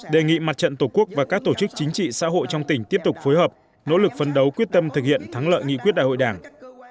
đề nghị mặt trận tổ quốc và các tổ chức chính trị xã hội trong tỉnh tiếp tục phối hợp nỗ lực phấn đấu quyết tâm thực hiện thắng lợi nghị quyết đại hội đảng